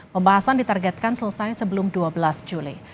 pembahasan ditargetkan selesai sebelum dua belas juli